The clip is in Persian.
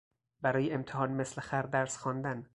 برای امتحان مثل خر درس خواندن